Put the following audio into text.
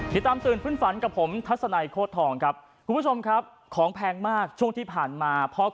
ตื่นพื้นฝันกับผมทัศนัยโคตรทองครับคุณผู้ชมครับของแพงมากช่วงที่ผ่านมาพ่อ